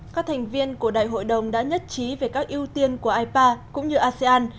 các thành viên của đại hội đồng đã nhất trí về các ưu tiên của ipa cũng như asean